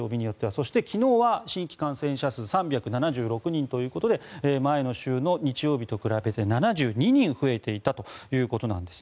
そして、昨日は新規感染者数３７６人ということで前の週の日曜日と比べて７２人増えていたということです。